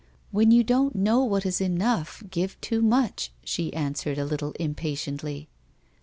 " When you don't know what is enough, give too much,'" she answered, a little impatiently.